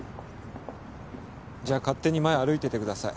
じゃあ勝手に前歩いててください。